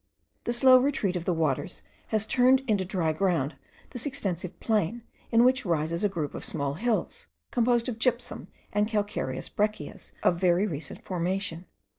The slow retreat of the waters has turned into dry ground this extensive plain, in which rises a group of small hills, composed of gypsum and calcareous breccias of very recent formation.